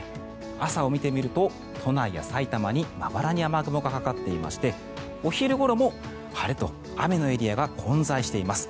朝を見てみると都内や埼玉にまばらに雨雲がかかっていましてお昼ごろも晴れと雨のエリアが混在しています。